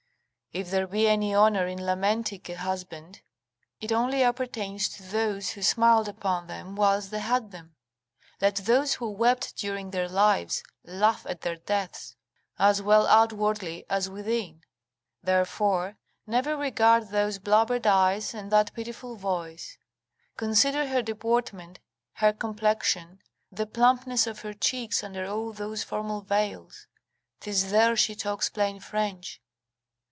If there be any honour in lamenting a husband, it only appertains to those who smiled upon them whilst they had them; let those who wept during their lives laugh at their deaths, as well outwardly as within. Therefore, never regard those blubbered eyes and that pitiful voice; consider her deportment, her complexion, the plumpness of her cheeks under all those formal veils; 'tis there she talks plain French.